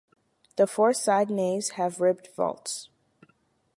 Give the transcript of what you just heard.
The four side naves have ribbed vaults.